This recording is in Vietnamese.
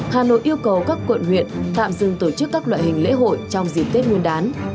hà nội yêu cầu các quận huyện tạm dừng tổ chức các loại hình lễ hội trong dịp tết nguyên đán